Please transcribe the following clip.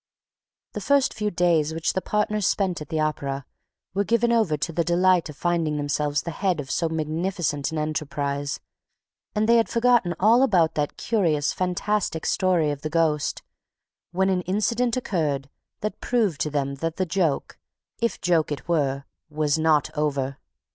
The first few days which the partners spent at the Opera were given over to the delight of finding themselves the head of so magnificent an enterprise; and they had forgotten all about that curious, fantastic story of the ghost, when an incident occurred that proved to them that the joke if joke it were was not over.